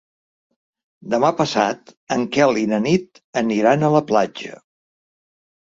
Demà passat en Quel i na Nit aniran a la platja.